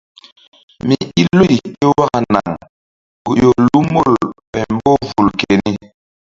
Mi i loy ké waka naŋ ku ƴo lu mol ɓay mboh vul keni.